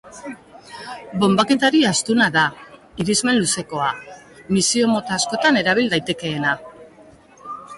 Bonbaketari astuna da, irismen luzekoa, misio-mota askotan erabil daitekeena.